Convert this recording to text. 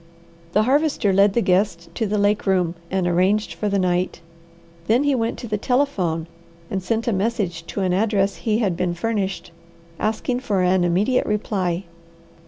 The Harvester led the guest to the lake room and arranged for the night. Then he went to the telephone and sent a message to an address he had been furnished, asking for an immediate reply.